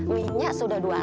minyak sudah dua puluh